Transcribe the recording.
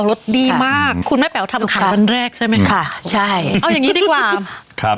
รถดีมากคุณแม่แป๋วทำขายวันแรกใช่ไหมคะใช่เอาอย่างงี้ดีกว่าครับ